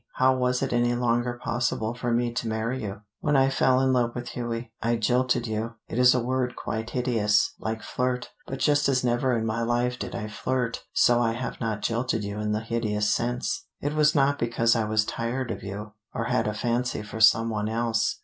How was it any longer possible for me to marry you, when I fell in love with Hughie? I jilted you: it is a word quite hideous, like flirt, but just as never in my life did I flirt, so I have not jilted you in the hideous sense. It was not because I was tired of you, or had a fancy for some one else.